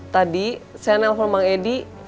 tadi saya nelfon bang edi